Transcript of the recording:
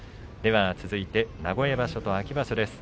続いて名古屋場所と秋場所です。